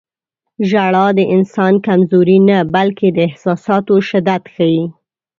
• ژړا د انسان کمزوري نه، بلکې د احساساتو شدت ښيي.